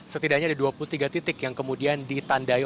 setidaknya ada dua puluh tiga titik yang kemudian ditandai